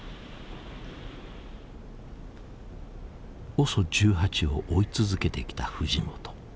ＯＳＯ１８を追い続けてきた藤本。